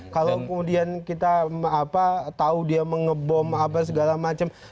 kalau kemudian kita tahu dia mengebom apa segala macam